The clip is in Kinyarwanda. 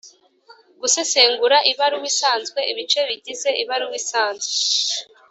Gusesengura ibaruwa isanzwe ibice bigize ibaruwa isanzwe